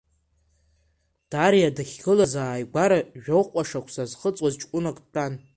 Дариа дахьгылаз ааигәара жәохәҟа шықәса зхыҵуаз ҷкәынак дтәан.